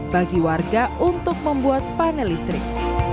bagi warga untuk membuat panel listrik